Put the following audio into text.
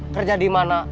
kerja di mana